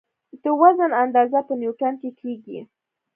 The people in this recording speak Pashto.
د وزن اندازه په نیوټن کې کېږي.